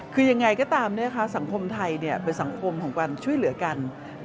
คือยังไงก็ตามสังคมไทยเป็นสังคมของการช่วยเหลือกัน